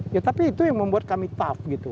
ya tapi itu yang membuat kami tough gitu